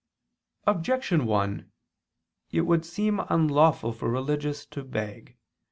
Objection 1: It would seem unlawful for religious to beg.